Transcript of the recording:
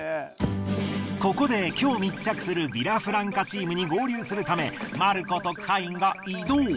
ここで今日密着するヴィラフランカチームに合流するためマルコ特派員が移動。